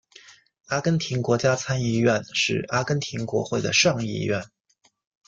阿根廷国家参议院是阿根廷国会的上议院。